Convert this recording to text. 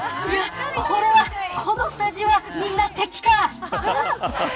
このスタジオは、みんな敵か。